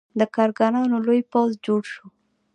د کارګرانو لوی پوځ جوړ شو.